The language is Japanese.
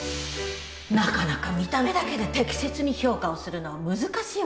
なかなか見た目だけで適切に評価をするのは難しいわね。